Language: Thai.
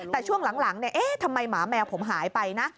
แต่ช่วงหลังทำไมหมาแมวผมหายไปนะ